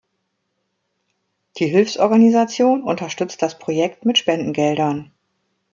Die Hilfsorganisation unterstützt das Projekt mit Spendengeldern.